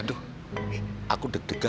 aduh aku deg degan